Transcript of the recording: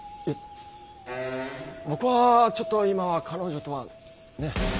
いや僕はちょっと今は彼女とはね。